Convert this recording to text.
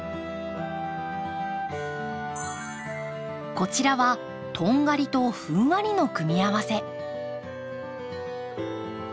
こちらは「とんがり」と「ふんわり」の組み合わせ。